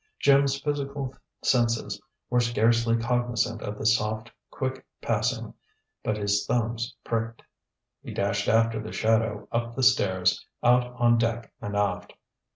Jim's physical senses were scarcely cognizant of the soft, quick passing, but his thumbs pricked. He dashed after the shadow, up the stairs, out on deck, and aft.